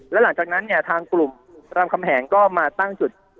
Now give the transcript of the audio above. แล้วหลังจากนั้นเนี่ยทางกลุ่มรามคำแหงก็มาตั้งจุด